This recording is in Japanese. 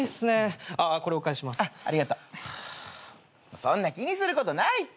そんな気にすることないって。